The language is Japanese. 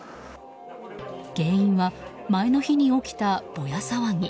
原因は前の日に起きたボヤ騒ぎ。